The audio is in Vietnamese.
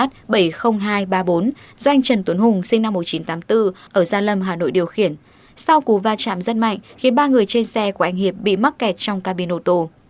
do anh trần tuấn hùng sinh năm một nghìn chín trăm tám mươi bốn ở gia lâm hà nội điều khiển sau cú va chạm rất mạnh khiến ba người trên xe của anh hiệp bị mắc kẹt trong cabino tô